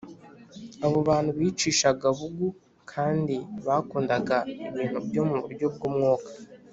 Abo bantu bicishaga bugu kandi bakundaga ibintu byo mu buryo bw umwuka